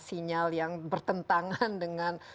sinyal yang bertentangan dengan